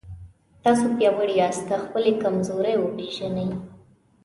تاسو پیاوړي یاست که خپلې کمزورۍ وپېژنئ.